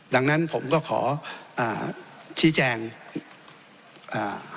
ดังนั้นผมก็ขออ่าชี้แจงอ่า